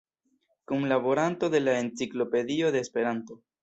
Kunlaboranto de la Enciklopedio de Esperanto.